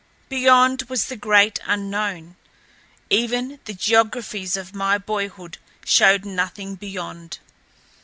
Beyond was the great unknown. Even the geographies of my boyhood showed nothing beyond.